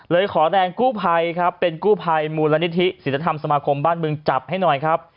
เลยขอแดงกู้ภัยเป็นกู้ภัยมูลนิทิศิศธรรมสมาคมบ้านบึงจับให้หน่อยครับ